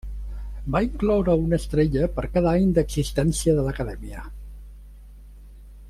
Va incloure una estrella per cada any d'existència de l'acadèmia.